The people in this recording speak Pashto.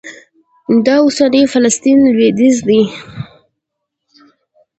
دا د اوسني فلسطین لوېدیځ دی.